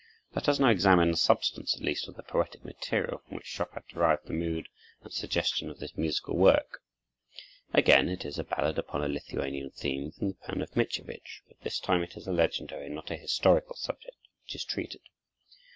Let us now examine the substance at least of the poetic material from which Chopin derived the mood and suggestion of this musical work. Again it is a ballad upon a Lithuanian theme, from the pen of Mickiewicz. But this time it is a legendary and not a historical subject which is treated.